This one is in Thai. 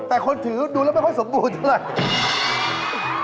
แต่คนถือดูแล้วไม่ค่อยสมบูรณ์เท่าไหร่